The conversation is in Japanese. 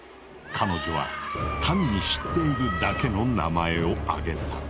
彼女は単に知っているだけの名前を挙げた。